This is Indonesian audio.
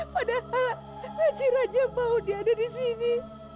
padahal haji haji yang mau diada di sini